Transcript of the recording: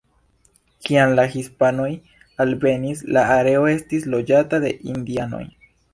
Kiam la hispanoj alvenis, la areo estis loĝata de indianoj.